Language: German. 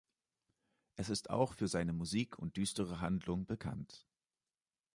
Es ist auch für seine Musik und düstere Handlung bekannt.